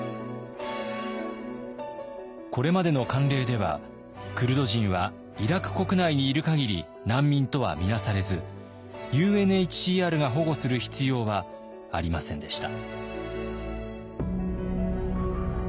これまでの慣例ではクルド人はイラク国内にいるかぎり難民とは見なされずＵＮＨＣＲが保護する必要はありませんでした。